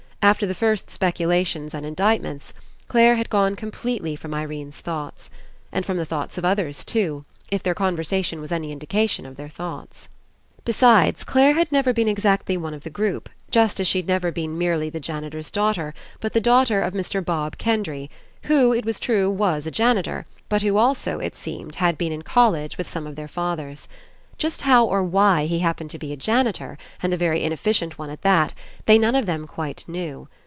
After the first speculations and indictments, Clare had gone completely from Irene's thoughts. And from the thoughts of others too — if their conversa tion was any indication of their thoughts. Besides, Clare had never been exactly one of the group, just as she'd never been merely the janitor's daughter, but the daughter of Mr. Bob Kendry, who, it was true, was a janitor, but who also, it seemed, had been in college with some of their fathers. Just how or why he happened to be a janitor, and a very in efficient one at that, they none of them quite knew.